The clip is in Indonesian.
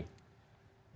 asumsi itu tidak sepertinya